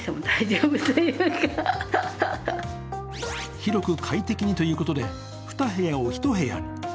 広く快適にということで２部屋を１部屋に。